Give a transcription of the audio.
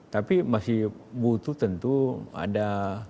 tapi masih butuh tentu ada